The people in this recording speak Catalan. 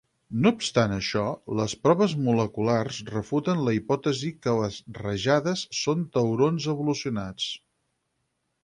No obstant això, les proves moleculars refuten la hipòtesi que les rajades són taurons evolucionats.